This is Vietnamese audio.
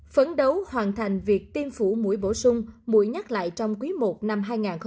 phấn đấu hoàn thành việc tiêm phủ mũi bổ sung mũi nhắc lại trong quý i năm hai nghìn hai mươi